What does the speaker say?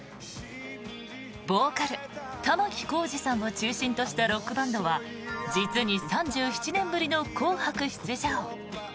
ボーカル、玉置浩二さんを中心としたロックバンドは実に３７年ぶりの「紅白」出場。